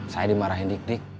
saya dimarahin dik dik